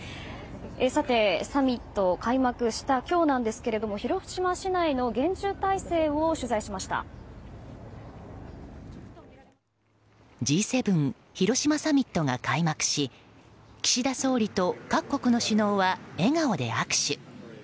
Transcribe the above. さて、サミットが開幕した今日なんですけども広島市内の厳重態勢をＧ７広島サミットが開幕し岸田総理と各国の首脳は笑顔で握手。